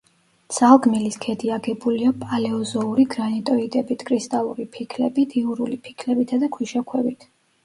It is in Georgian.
ცალგმილის ქედი აგებულია პალეოზოური გრანიტოიდებით, კრისტალური ფიქლებით, იურული ფიქლებითა და ქვიშაქვებით.